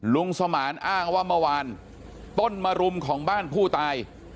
สมานอ้างว่าเมื่อวานต้นมรุมของบ้านผู้ตาย